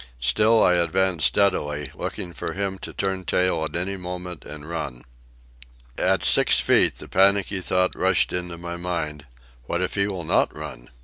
Still I advanced steadily, looking for him to turn tail at any moment and run. At six feet the panicky thought rushed into my mind, What if he will not run?